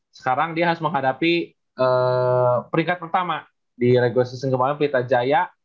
sekarang dia harus menghadapi peringkat pertama di regust season kemarin pelita jaya